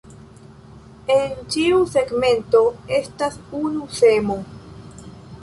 En ĉiu segmento estas unu semo.